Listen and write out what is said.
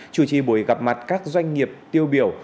chủ trì buổi gặp mặt các doanh nghiệp tiêu biểu